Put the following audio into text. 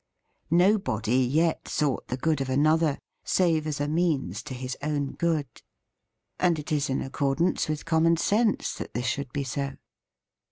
Nobody yet sought the good of another save as a means to his own good. And it is in accordance with common sense that this should be so.